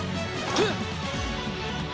フッ！